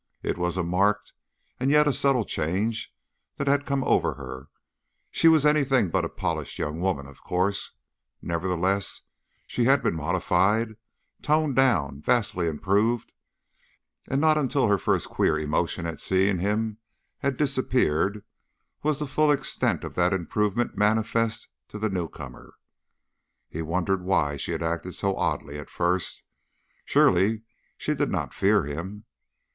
It was a marked and yet a subtle change that had come over her; she was anything but a polished young woman, of course; nevertheless she had been modified, toned down, vastly improved, and not until her first queer emotion at seeing him had disappeared was the full extent of that improvement manifest to the newcomer. He wondered why she had acted so oddly at first; surely she did not fear him.